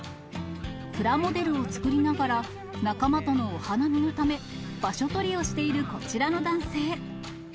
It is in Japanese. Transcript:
プラモデルを作りながら、仲間とのお花見のため、場所取りをしているこちらの男性。